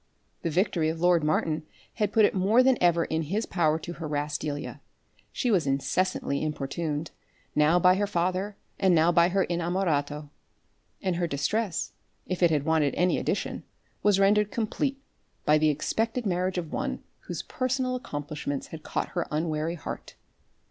The victory of lord Martin had put it more than ever in his power to harrass Delia. She was incessantly importuned, now by her father, and now by her inamorato. And her distress, if it had wanted any addition, was rendered compleat by the expected marriage of one, whose personal accomplishments had caught her unwary heart.